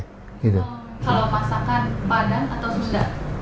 kalau masakan badan atau sudut